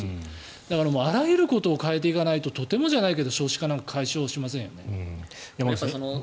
だから、あらゆることを変えていかないととてもじゃないけど少子化なんて改善しないですよね。